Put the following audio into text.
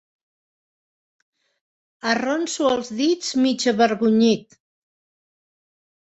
Arronso els dits mig avergonyit.